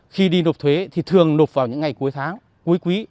khi đi nộp thuế thì thường nộp vào những ngày cuối tháng cuối quý